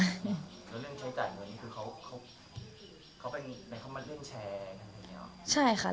แล้วเรื่องใช้จ่ายเงินคือเขาเป็นมันเล่นแชร์อะไรอย่างนี้หรอ